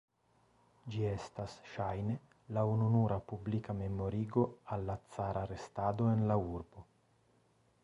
Ĝi estas ŝajne la ununura publika memorigo al la cara restado en la urbo.